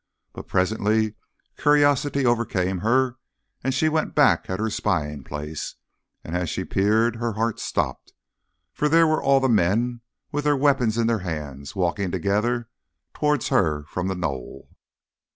But presently curiosity overcame her and she was back at her spying place, and as she peered her heart stopped, for there were all the men, with their weapons in their hands, walking together towards her from the knoll.